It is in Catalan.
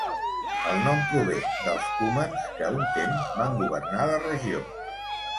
El nom prové dels cumans que un temps van governar la regió.